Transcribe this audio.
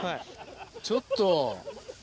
ちょっと。